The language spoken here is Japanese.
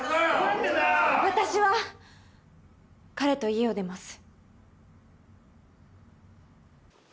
私は彼と家を出ます。